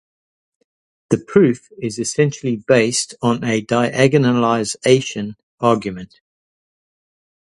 The proof is essentially based on a diagonalization argument.